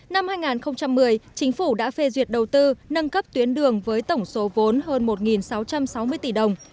năm hai nghìn một mươi chính phủ đã phê duyệt đầu tư nâng cấp tuyến đường với tổng số vốn hơn một sáu trăm sáu mươi tỷ đồng